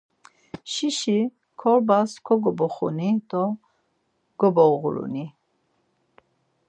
Şişi korbas kogoboxuni do goboğurini.